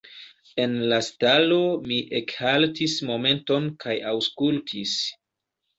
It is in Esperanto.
En la stalo mi ekhaltis momenton kaj aŭskultis.